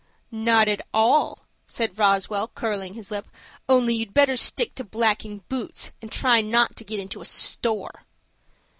"Not at all," said Roswell, curling his lip; "only you'd better stick to blacking boots, and not try to get into a store."